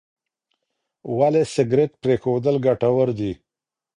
ولې سګریټ پرېښودل ګټور دي؟